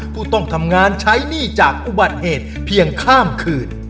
ผู้ต้องทำงานใช้หนี้จากอุบัติเหตุเพียงข้ามคืน